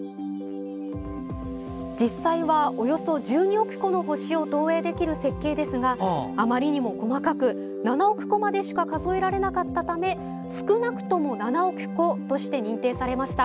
実際は、およそ１２億個の星を投影できる設計ですがあまりにも細かく７億個までしか数えられなかったため「少なくとも７億個」として認定されました。